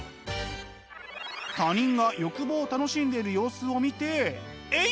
他人が欲望を楽しんでいる様子を見てえい！